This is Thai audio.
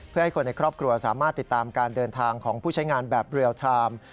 เพื่อให้คนในครอบครัวสามารถติดตามการเดินทางของผู้ใช้งานแบบเรียลไทม์